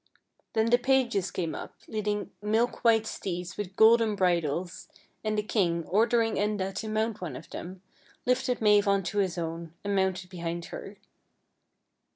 Then the pages came up, leading milk white steeds with golden bridles, and the king, ordering Enda to mount one of them, lifted Have on to his own, and mounted behind her.